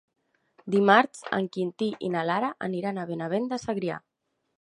Dimarts en Quintí i na Lara aniran a Benavent de Segrià.